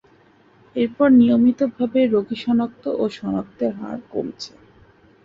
এরপর নিয়মিতভাবে রোগী শনাক্ত ও শনাক্তের হার কমছে।